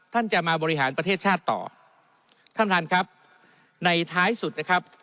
ท่านจะมาบริหารประเทศชาติต่อท่านประธานครับในท้ายสุดนะครับ